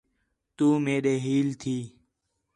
تُو مئے ݙے ہیل تھی